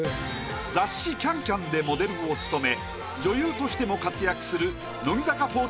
雑誌「ＣａｎＣａｍ」でモデルを務め女優としても活躍する。